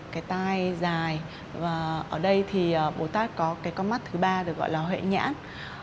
cái tai dài và ở đây thì bồ tát có cái con mắt thứ ba được gọi là hệ nhãn